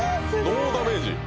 ノーダメージ。